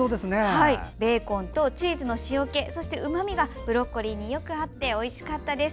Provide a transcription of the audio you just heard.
ベーコンとチーズの塩気うまみがブロッコリーによく合っておいしかったです。